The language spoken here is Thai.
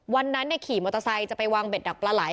วันนั้นขี่มอเตอร์ไซค์จะไปวางเด็ดดักปลาไหล